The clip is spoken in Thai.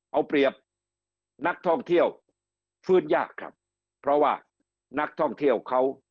เอาเปรียบนักท่องเที่ยวฟื้นยากครับเพราะว่านักท่องเที่ยวเขา